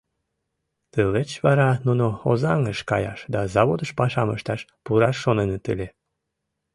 Тылеч вара нуно Озаҥыш каяш да заводыш пашам ышташ пураш шоненыт ыле.